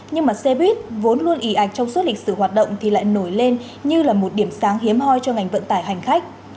nhưng mà xe buýt vốn luôn ỉ ạch trong suốt lịch sử hoạt động thì lại nổi lên như là một điểm sáng hiếm hoi cho ngành vận tải hành khách